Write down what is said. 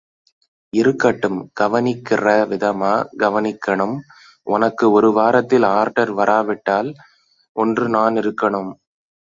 இருக்கட்டும்... கவனிக்கிற விதமா கவனிக்கணும்... ஒனக்கு ஒரு வாரத்தில் ஆர்டர் வராட்டால் ஒன்று நான் இருக்கணும்.